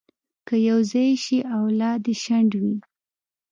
که یو ځای شي، اولاد یې شنډ وي.